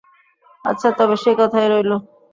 আচ্ছা, তবে সেই কথাই রইল।